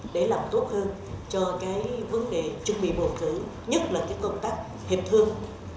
để làm tốt hơn cho cái vấn đề chuẩn bị bầu cử nhất là cái công tác hiệp thương